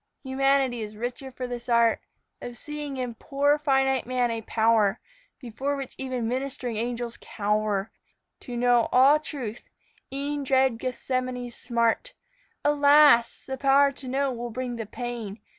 Humanity is richer for this art Of seeing in poor finite man a power Before which even ministering angels cower To know all truth, e'en dread Gethsemane's smart. Alas! the power to know will bring the pain.